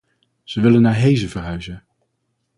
Ze willen naar Heeze verhuizen.